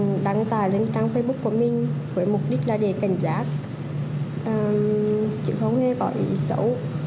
em đã đăng tài lên trang facebook của mình với mục đích là để cảnh giác chịu phóng nghe bỏ ý xấu